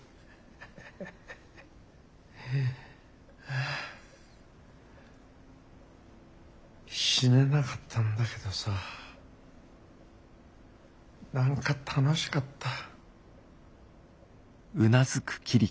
はぁ死ねなかったんだけどさ何か楽しかった。